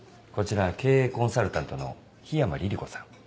こちら経営コンサルタントの桧山凛々子さん。